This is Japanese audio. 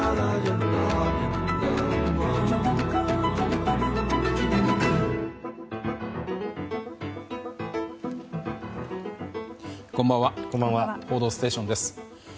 「報道ステーション」です。